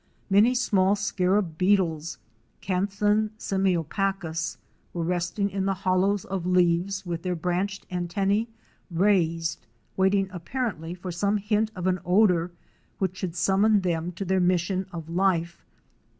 Many small scarab beetles (Can thon semiopacus) were resting in the hollows of leaves with their branched antenn raised, waiting apparently for some hint of an odor which should summon them to their mission Fic. 116.